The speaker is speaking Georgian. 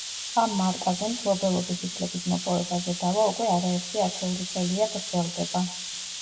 ამ მარკაზე მფლობელობის უფლების მოპოვებაზე დავა უკვე არა ერთი ათეული წელია გრძელდება.